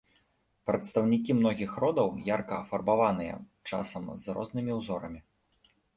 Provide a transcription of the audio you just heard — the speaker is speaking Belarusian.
Прадстаўнікі многіх родаў ярка афарбаваныя, часам з рознымі ўзорамі.